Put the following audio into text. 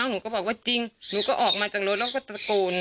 หนูก็บอกว่าจริงหนูก็ออกมาจากรถแล้วก็ตะโกน